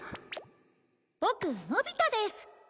ボクのび太です。